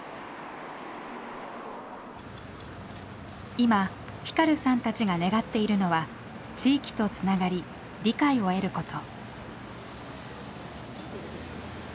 今フィカルさんたちが願っているのは地域とつながり理解を得ること。